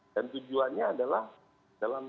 dan tujuannya adalah dalam radikalisme